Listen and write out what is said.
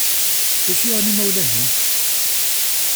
D acu i yuɣen imawlan-im?